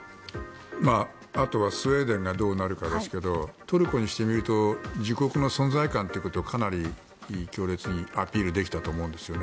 あとはスウェーデンがどうなるかですけどトルコにしてみると自国の存在感ということをかなり強烈にアピールできたと思うんですよね。